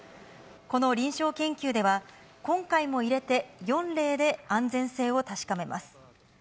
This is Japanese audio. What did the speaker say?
この臨床研究では、今回も入れて４例で安全性を確かめます。